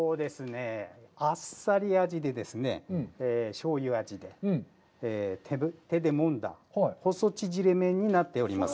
あっさり味でですね、醤油味で、手でもんだ細ちぢれ麺になっております。